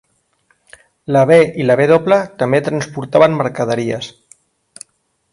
La B i la W també transportaven mercaderies.